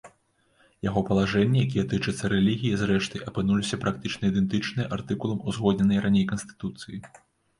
Яго палажэнні, якія тычацца рэлігіі, зрэшты, апынуліся практычна ідэнтычныя артыкулам узгодненай раней канстытуцыі.